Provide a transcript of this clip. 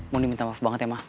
mon minta maaf banget ya mak